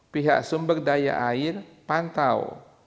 pihak sumber daya air pantau